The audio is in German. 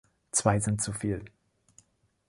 Zwei sind zuviel.